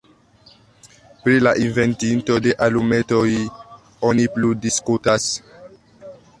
Pri la inventinto de alumetoj oni plu diskutas.